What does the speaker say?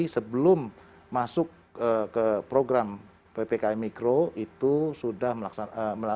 sebelum masuk ke program ppki mikro itu sudah mendapat pelatihan dari kementerian kesehatan